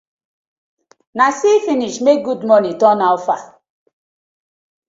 Na see finish make “good morning” turn “how far”: